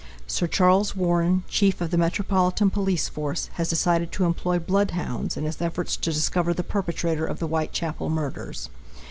Sir Charles Warren, Chief of the Metropolitan Police Force, has decided to employ bloodhounds in his efforts to discover the perpetrator of the Whitechapel murders.